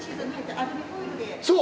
そう！